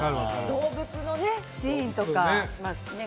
動物のシーンとかね。